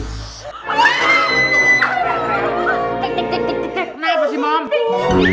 kenapa sih mom